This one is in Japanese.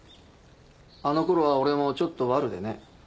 あの頃は俺もちょっとワルでね。